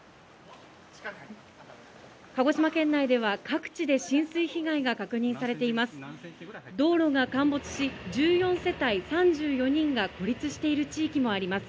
鹿児島県内では、各地で浸水被害が確認されています。